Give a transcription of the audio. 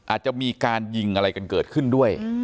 อาจจะมีการยิงอะไรกันเกิดขึ้นด้วย